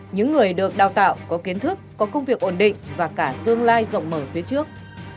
những người được đào tạo có kiến thức có công việc ổn định và cả tương lai rộng mở phía trước